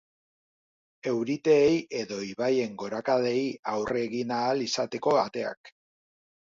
Euriteei edo ibaien gorakadei aurre egin ahal izateko ateak.